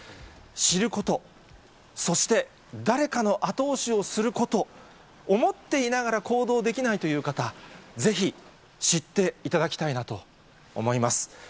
知ること、そして、誰かの後押しをすること、思っていながら行動できないという方、ぜひ知っていただきたいなと思います。